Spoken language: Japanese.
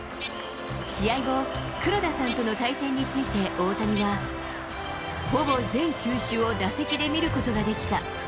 試合後、黒田さんとの対戦について大谷は、ほぼ全球種を打席で見ることができた。